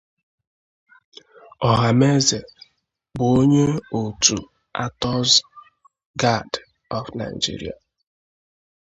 Ohameze bụ onye otu Actors Guild of Nigeria.